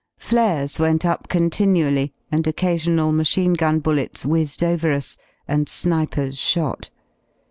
Flares went up continually, and occasional machine gun bullets whizzed over us, and snipers shot.